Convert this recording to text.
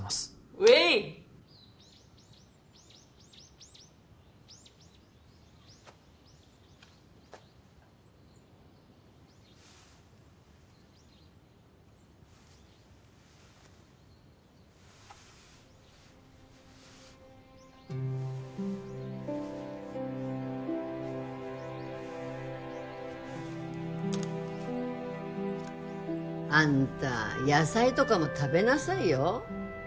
ウエーイあんた野菜とかも食べなさいよ